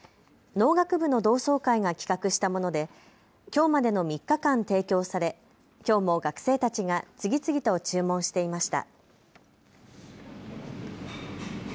農学部の同窓会が企画したものできょうまでの３日間提供されきょうも学生たちが次々と注文していました。